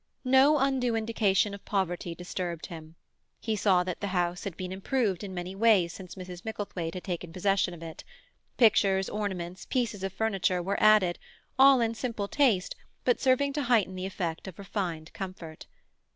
No undue indication of poverty disturbed him. He saw that the house had been improved in many ways since Mrs. Micklethwaite had taken possession of it; pictures, ornaments, pieces of furniture were added, all in simple taste, but serving to heighten the effect of refined comfort.